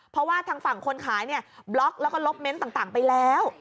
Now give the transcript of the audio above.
เพราะว่าทางฝั่งคนขายเนี่ยบล็อกแล้วก็ลบเมนต์ต่างไปแล้ว